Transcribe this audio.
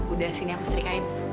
udah sini aku setrikain